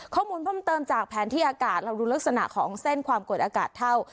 ข้อมูลเพิ่มเติมจากแผนที่อากาศเราดูลักษณะของเส้นความกดอากาศเท่า